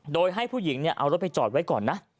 โดยให้ผู้หญิงเอารถไปจอดไว้ก่อนนะ